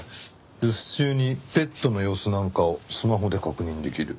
留守中にペットの様子なんかをスマホで確認できる。